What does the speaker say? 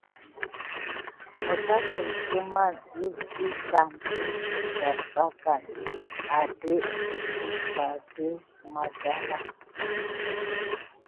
Məgasem semeti isik tembi siderbaka atdé kubula de maneda.